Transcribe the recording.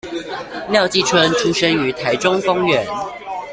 廖繼春出生於台中豐原